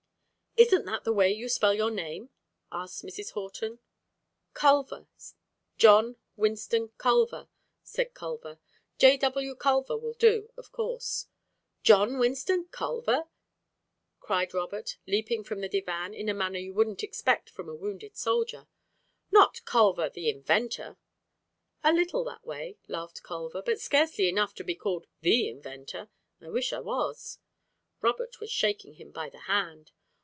"Isn't that the way you spell your name?" asked Mrs. Horton. "Culver: John Winston Culver," said Culver. "J. W. Culver will do, of course." "John Winston Culver!" cried Robert, leaping from the divan in a manner you wouldn't expect from a wounded soldier. "Not Culver, the inventor?" "A little that way," laughed Culver, "but scarcely enough to be called the inventor. I wish I was!" Robert was shaking him by the hand.